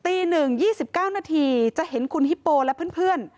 ตี๑๒๙นาทีจะเห็นคุณฮิปโปและเพื่อน